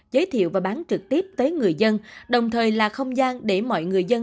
giới thiệu và bán trực tiếp tới người dân đồng thời là không gian để mọi người dân